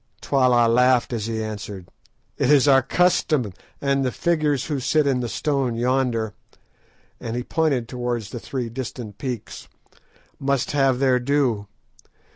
Twala laughed as he answered— "It is our custom, and the figures who sit in stone yonder," and he pointed towards the three distant peaks, "must have their due.